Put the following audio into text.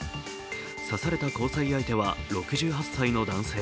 刺された交際相手は６８歳の男性。